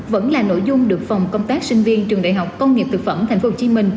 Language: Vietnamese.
vẫn là nội dung được phòng công tác sinh viên trường đại học công nghiệp thực phẩm tp hcm